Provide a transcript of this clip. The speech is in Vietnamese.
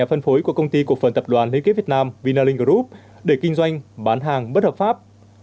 phân phối của công ty cổ phần tập đoàn liên kết việt nam vinaling group để kinh doanh bán hàng bất hợp pháp